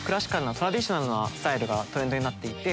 トラディショナルなスタイルがトレンドになっていて。